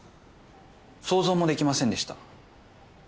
想像もできませんでした。